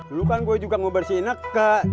dulu kan gue juga ngubar sinek kak